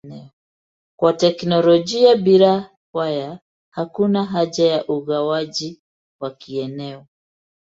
Kwa teknolojia bila waya hakuna haja ya ugawaji wa kieneo.